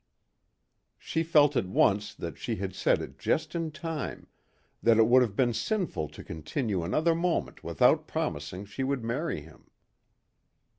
She felt at once that she had said it just in time that it would have been sinful to continue another moment without promising she would marry him.